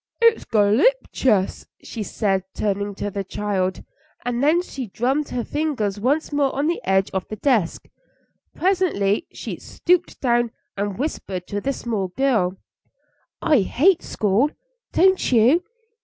"It's golloptious," she said, turning to the child, and then she drummed her fingers once more on the edge of the desk. Presently she stooped down and whispered to this small girl: "I hate school; don't you?"